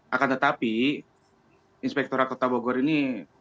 akan tetapi inspektorat kota bogor ini